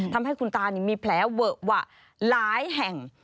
ทำให้คุณตามีแผลเวอะหวะหลายแห่ง